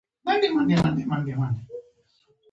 افغانستان کې یاقوت د نن او راتلونکي لپاره ارزښت لري.